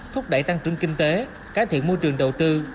thúc đẩy tăng trưởng kinh tế cải thiện môi trường đầu tư